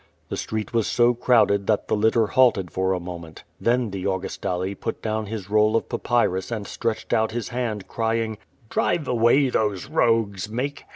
The street was so crowded that the litter halted for a mo ment Then the Augustale put down his roll of papyrus and stretched out his hand, crying: "Drive away these rogues!